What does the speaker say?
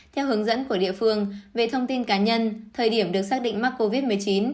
theo hướng dẫn của địa phương về thông tin cá nhân thời điểm được xác định mắc covid một mươi chín